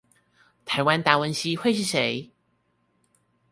台灣達文西會是誰